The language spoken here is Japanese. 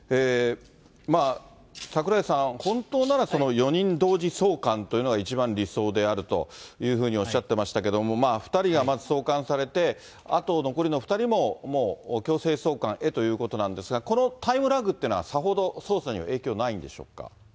櫻井さん、本当なら４人同時送還というのが一番理想であるというふうにおっしゃってましたけれども、２人がまず送還されて、あと残りの２人も、もう強制送還へということなんですが、このタイムラグというのは、さほど捜査には影響ないんでしょうか。